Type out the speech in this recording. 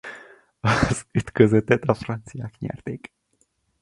Az ütközetet a franciák nyerték.